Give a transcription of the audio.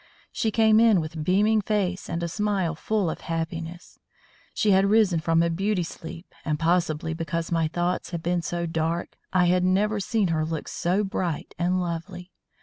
She came in with beaming face and a smile full of happiness. She had risen from a beauty sleep and, possibly because my thoughts had been so dark, I had never seen her look so bright and lovely.